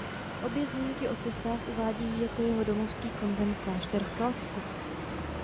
Obě zmínky o cestách uvádějí jako jeho domovský konvent klášter v Kladsku.